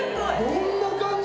どんな感じ？